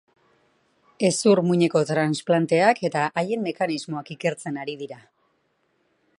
Hezur-muineko transplanteak eta haien mekanismoak ikertzen ari dira.